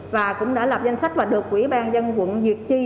và cũng đã lập danh sách và được quỹ ban nhân quận diệt chi